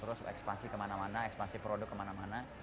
terus ekspansi kemana mana ekspansi produk kemana mana